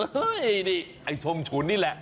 เฮ้ยนี่ไอ้ส้มฉุนนี่แหละ